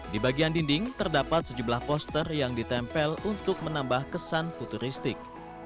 di bagian dinding terdapat sejumlah poster yang ditempel untuk menambah kesan futuristik